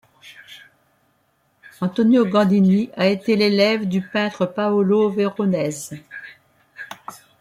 Antonio Gandini a été l'élève du peintre Paolo Veronese.